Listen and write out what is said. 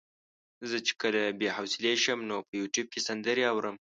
زه چې کله بې حوصلې شم نو په يوټيوب کې سندرې اورم.